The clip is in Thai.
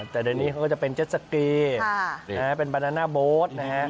แต่เดี๋ยวนี้เขาก็จะเป็นเจ็ดสกีเป็นบานาน่าโบ๊ทนะฮะ